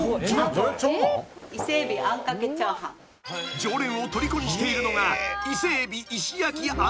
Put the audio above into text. ［常連をとりこにしているのが］